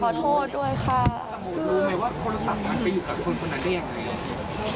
สมมุติว่าโทรศัพท์มันจะอยู่กับคนนั้นได้ยังไง